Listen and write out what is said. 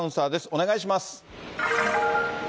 お願いします。